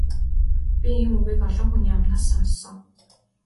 Би ийм үгийг олон хүний амнаас сонссон.